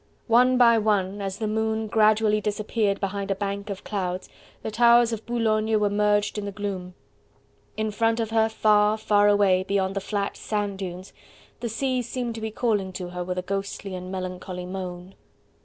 One by one as the moon gradually disappeared behind a bank of clouds, the towers of Boulogne were merged in the gloom. In front of her far, far away, beyond the flat sand dunes, the sea seemed to be calling to her with a ghostly and melancholy moan.